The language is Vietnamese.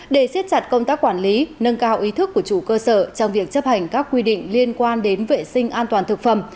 để siết chặt công tác quản lý nâng cao ý thức của chủ cơ sở trong việc chấp hành các quy định liên quan đến vệ sinh an toàn thực phẩm